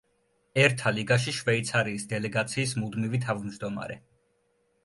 ერთა ლიგაში შვეიცარიის დელეგაციის მუდმივი თავმჯდომარე.